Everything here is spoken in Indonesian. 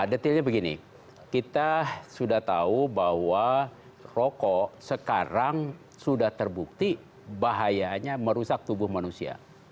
detilnya begini kita sudah tahu bahwa rokok sekarang sudah terbukti bahayanya merusak tubuh manusia